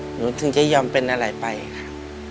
หนูถึงจะยอมเป็นอะไรไปค่ะ